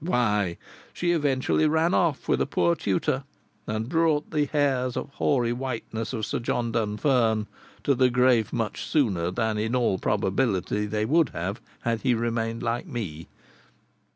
why she eventually ran off with a poor tutor! and brought the hairs of hoary whiteness of Sir John Dunfern to the grave much sooner than in all probability they would have, had he remained like me."